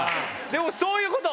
でもそういうこと！